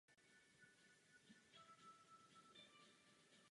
S judem začínal jako většina Japonců na základní škole.